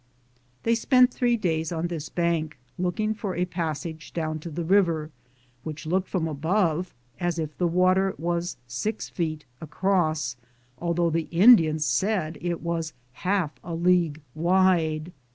They spent three days on this bank looking for a passage down to the river, which looked from above as if the water was 6 feet across, although the Indians said it i ss an, Google Tffli JOURNEY OP CORONADO was half a league wide.